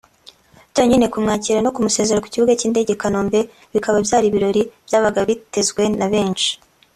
byonyine kumwakira no kumusezera ku kibuga cy’indege i Kanombe bikaba byari ibirori byabaga byitezwe na benshi